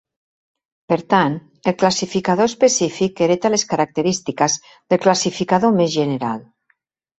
Per tant, el classificador específic hereta les característiques del classificador més general.